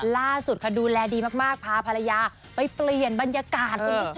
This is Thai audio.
ล่าสุดค่ะดูแลดีมากพาภรรยาไปเปลี่ยนบรรยากาศคุณผู้ชม